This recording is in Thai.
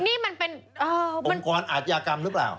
นี่มันเป็นองค์กรอาชญากรรมหรือเปล่า